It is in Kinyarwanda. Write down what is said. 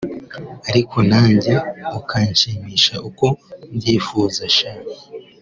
ariko nanjye ukanshimisha uko mbyifuza sha”